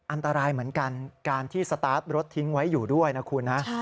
อันตรายเหมือนกันการที่สตาร์ทรถทิ้งไว้อยู่ด้วยนะคุณนะ